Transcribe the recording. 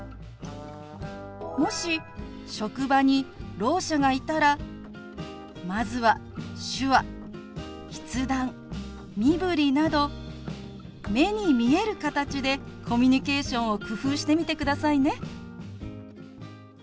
もし職場にろう者がいたらまずは手話筆談身振りなど目に見える形でコミュニケーションを工夫してみてくださいね。